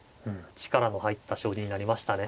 力の入った将棋になりましたね。